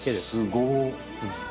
すごっ。